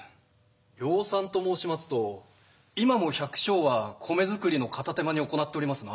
養蚕と申しますと今も百姓は米づくりの片手間に行っておりますな。